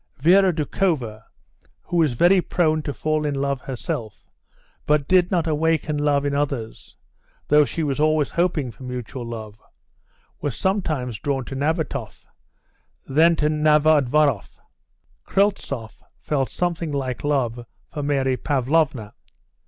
Vera Doukhova, who was very prone to fall in love herself, but did not awaken love in others, though she was always hoping for mutual love, was sometimes drawn to Nabatoff, then to Novodvoroff. Kryltzoff felt something like love for Mary Pavlovna.